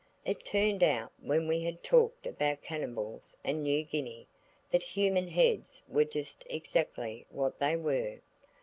It turned out, when we had talked about cannibals and New Guinea, that human heads were just exactly what they were.